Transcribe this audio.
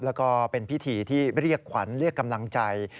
แล้วก็เป็นพิธีที่เรียกขวัญเรียกกำลังใจ